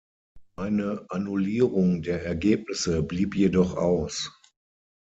Eine Annullierung der Ergebnisse blieb jedoch aus.